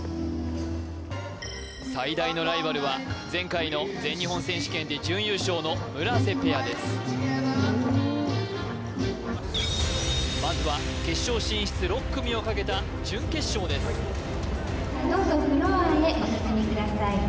最大のライバルは前回の全日本選手権で準優勝の村瀬ペアですまずは決勝進出６組をかけた準優勝ですどうぞフロアへお進みください